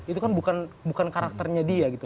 itu kan bukan karakternya dia gitu